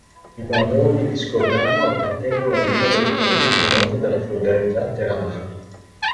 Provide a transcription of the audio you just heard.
I baroni di Scorrano appartengono ad una delle famiglie più note della feudalità teramana.